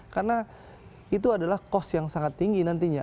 karena itu adalah kos yang sangat tinggi nantinya